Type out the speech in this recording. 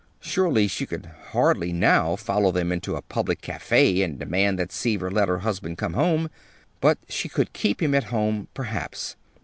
Surely she could hardly now follow them into a public café and demand that Seaver let her husband come home! But she could keep him at home, perhaps.